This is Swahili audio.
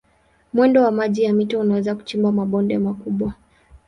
Mwendo wa maji ya mito unaweza kuchimba mabonde makubwa.